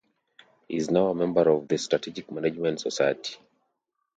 He is now a member of the Strategic Management Society.